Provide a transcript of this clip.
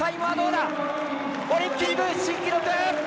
オリンピック新記録！